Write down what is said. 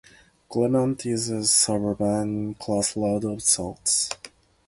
Glenmont is a suburban crossroads of sorts.